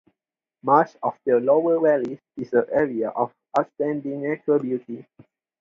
Much of the lower valley is an Area of Outstanding Natural Beauty.